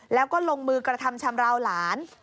แล้วก็ลงมือกระทำชำราวหลาน